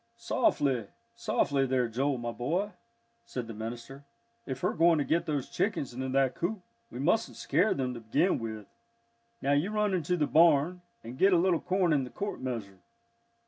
"Softly softly there, Joel, my boy," said the minister. "If we're going to get those chickens into that coop, we mustn't scare them to begin with. Now, you run into the barn, and get a little corn in the quart measure."